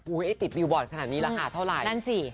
อุ้ยไอ้ติดบิลบอร์ดขนาดนี้ราคาเท่าไหร่